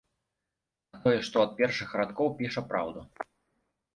А тое, што ад першых радкоў піша праўду.